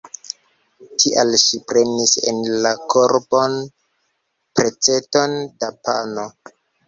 Tial ŝi prenis en la korbon peceton da pano.